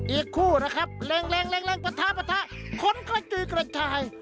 อีกคู่นะครับเล็งปะท้าปะทะคนกระจุยกระจาย